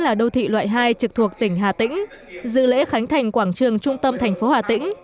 là đô thị loại hai trực thuộc tỉnh hà tĩnh dự lễ khánh thành quảng trường trung tâm thành phố hà tĩnh